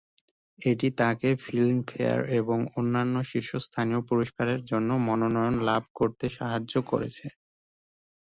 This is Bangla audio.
এটি তাঁকে ফিল্মফেয়ার এবং অন্যান্য শীর্ষস্থানীয় পুরস্কারের জন্য মনোনয়ন লাভ করতে সাহায্য করেছে।